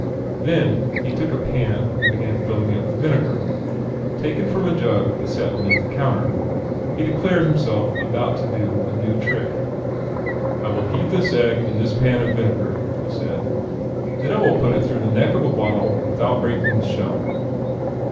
Then he took a pan and filling it with vinegar, taken from a jug that sat beneath the counter, he declared himself about to do a new trick. "I will heat this egg in this pan of vinegar," he said. "Then I will put it through the neck of a bottle without breaking the shell.